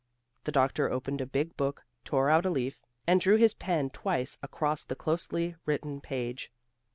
The doctor opened a big book, tore out a leaf, and drew his pen twice across the closely written page.